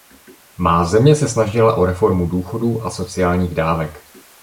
Má země se snažila o reformu důchodů a sociálních dávek.